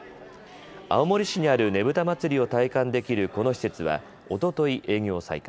青森市にある、ねぶた祭を体感できるこの施設はおととい営業を再開。